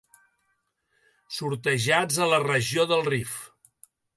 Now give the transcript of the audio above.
Sortejats a la regió del Rif.